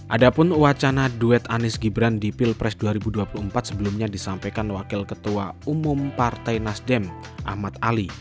ada pun wacana duet anies gibran di pilpres dua ribu dua puluh empat sebelumnya disampaikan wakil ketua umum partai nasdem ahmad ali